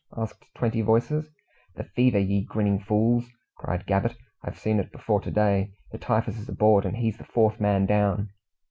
asked twenty voices. "The fever, ye grinning fools!" cried Gabbett. "I've seen it before to day. The typhus is aboard, and he's the fourth man down!"